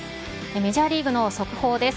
メジャーリーグの速報です。